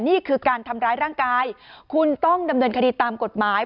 นี่คือการทำร้ายร่างกายคุณต้องดำเนินคดีตามกฎหมาย